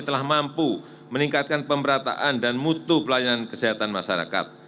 telah mampu meningkatkan pemerataan dan mutu pelayanan kesehatan masyarakat